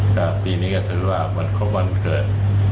ก็ปีนี้ก็ถือว่าเมืองครบวันเกิด